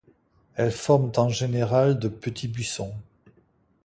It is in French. Elles forment en général de petits buissons.